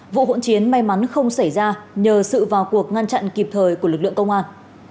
vụ hỗn chiến may mắn không xảy ra nhờ sự vào cuộc ngăn chặn kịp thời của lực lượng công an